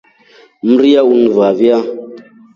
Mria ulingivavia.